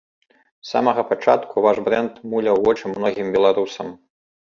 З самага пачатку ваш брэнд муляў вочы многім беларусам.